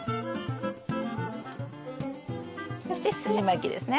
そしてすじまきですね。